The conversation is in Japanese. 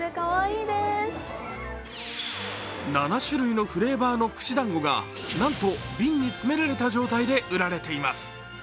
７種類のフレーバーの串だんごがなんと瓶に詰められた状態で売られています。